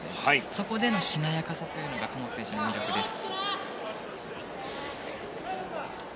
そこでのしなやかさというのがこの選手の魅力です。